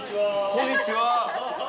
こんにちは。